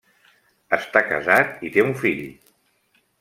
Està casat i té un fill.